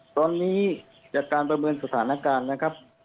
ตอนนี้จากการประเมินสถานการณ์นะครับ